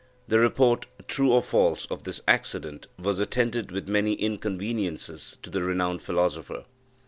The report, true or false, of this accident, was attended with many inconveniences to the renowned philosopher.